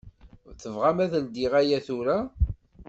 Tebɣam ad ldiɣ aya tura?